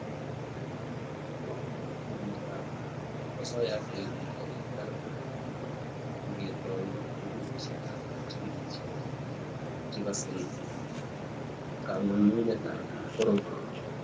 Nametab osoya kemuchi ketar ngetoi ofisisiekab chigilisiet chekosei kangungunyetab poror